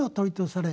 れ